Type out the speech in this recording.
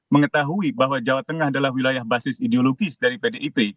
mengetahui bahwa jawa tengah adalah wilayah basis ideologis dari pdip